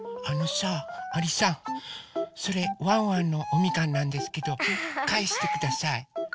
あのさアリさんそれワンワンのおみかんなんですけどかえしてください。